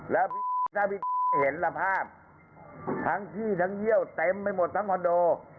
แล้วถ้าพี่เห็นละภาพทั้งที่ทั้งเยี่ยวเต็มไปหมดทั้งคอนโด